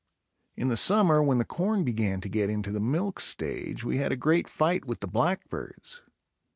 In the summer when the corn began to get into the milk stage, we had a great fight with the blackbirds.